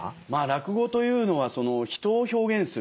落語というのは人を表現する。